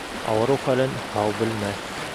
Ауырыу хәлен һау белмәҫ